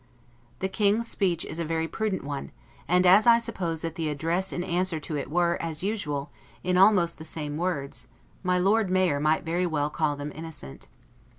The King's speech is a very prudent one; and as I suppose that the addresses in answer to it were, as usual, in almost the same words, my Lord Mayor might very well call them innocent.